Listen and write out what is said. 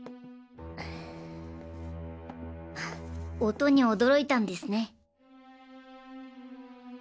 音に驚いたんですね。